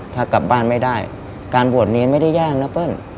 ถ้ากลับบ้านไม่ได้การบวชเนรไม่ได้แย่งนะเปิ้ล